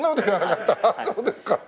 あっそうですか。